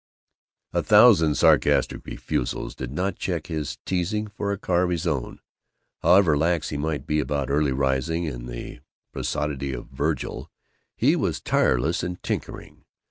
A thousand sarcastic refusals did not check his teasing for a car of his own. However lax he might be about early rising and the prosody of Vergil, he was tireless in tinkering.